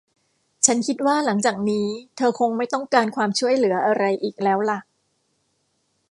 ฉันคิดว่าหลังจากนี้เธอคงไม่ต้องการความช่วยเหลืออะไรอีกแล้วล่ะ